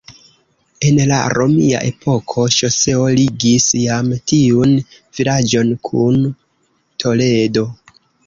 En la romia epoko ŝoseo ligis jam tiun vilaĝon kun Toledo.